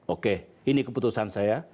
oke ini keputusan saya